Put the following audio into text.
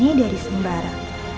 ini dari sembara